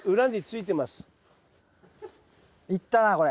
いったなこれ。